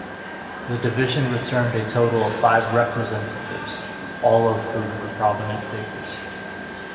The division returned a total of five representatives, all of whom were prominent figures.